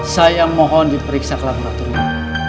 saya mohon diperiksa ke laboratorium